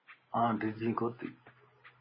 آن جڍي ڪوتي